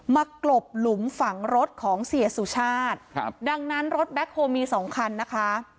กลบหลุมฝังรถของเสียสุชาติครับดังนั้นรถแบ็คโฮมีสองคันนะคะ